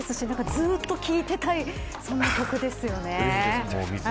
ずっと聴いていたいそんな曲でしたね。